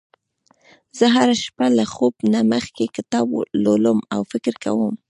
زه هره شپه له خوب نه مخکې کتاب لولم او فکر کوم